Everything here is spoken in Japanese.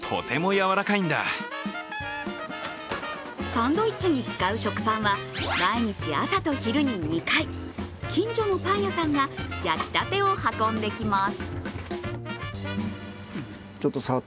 サンドイッチに使う食パンは毎日朝と昼に２回、近所のパン屋さんが焼きたてを運んできます。